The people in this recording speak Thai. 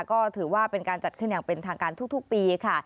ก็ถือว่าเป็นการจัดขึ้นอย่างเป็นทางการทุกปีค่ะ